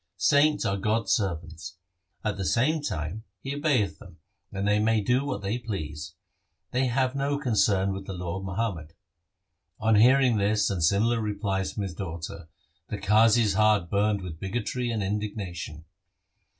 Saints are God's servants. At the same time, He obeyeth them, and they may do what they please. They have no concern with the law of Muhammad.' On hearing this and similar replies from his daughter, the Qazi's heart burned with bigotry and indignation.